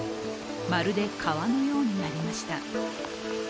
まるで川のようになりました。